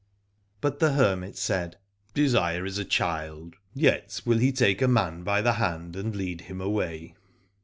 But the hermit said : Desire is a child : yet will he take a man by the hand and lead him away.